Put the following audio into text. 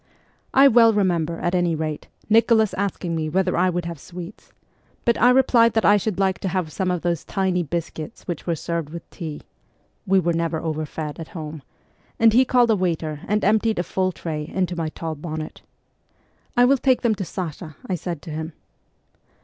I well CHILDHOOD 29 remember, at any rate, Nicholas asking me whether I would have sweets ; but I replied that I should like to have some of those tiny biscuits which were served with tea (we were never overfed at home), and he called a waiter and emptied a full tray into iny tall bonnet. ' I will take them to Sasha,' I said to him.